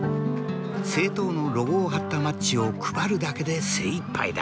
政党のロゴを貼ったマッチを配るだけで精いっぱいだ。